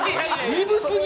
鈍すぎ！